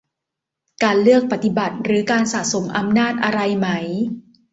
การเลือกปฏิบัติ หรือการสะสมอำนาจอะไรไหม